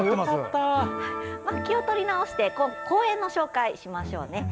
気を取り直して公園の紹介をしましょうね。